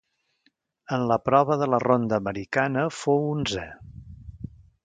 En la prova de la ronda americana fou onzè.